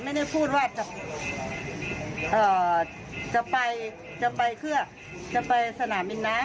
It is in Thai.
ไม่ได้พูดว่าจะเอ่อจะไปจะไปเครือจะไปสนามบินน้ำ